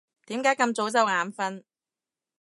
點解咁早就眼瞓？